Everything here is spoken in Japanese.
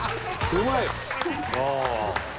うまいよ！